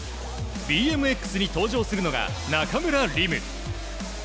ＢＭＸに登場するのが中村輪夢。